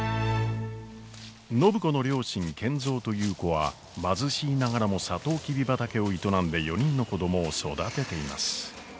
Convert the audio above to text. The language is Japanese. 暢子の両親賢三と優子は貧しいながらもサトウキビ畑を営んで４人の子供を育てています。